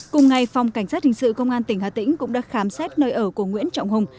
cùng ngày phòng cảnh sát hình sự công an tỉnh hà tĩnh cũng đã khám xét nơi ở của nguyễn trọng hùng